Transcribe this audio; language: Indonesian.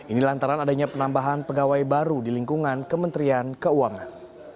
ini lantaran adanya penambahan pegawai baru di lingkungan kementerian keuangan